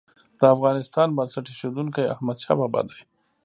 د افغانستان بنسټ ايښودونکی احمدشاه بابا دی.